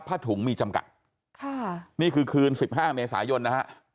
ถุงมีจำกัดค่ะนี่คือคืน๑๕เมษายนนะฮะ